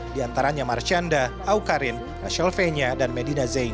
diantaranya marcianda awkarin rasylvenia dan medina zain